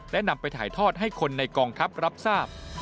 และนำไปถ่ายทอดให้คนในกองทัพรับทราบ